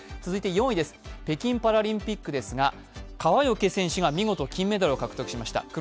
続いて４位です、北京パラリンピックですが、川除選手が見事金メダルを獲得しました。